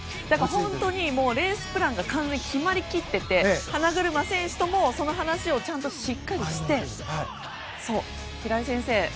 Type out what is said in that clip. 本当に、レースプランが完全に決まり切っていて花車選手ともその話をちゃんとしっかりして平井先生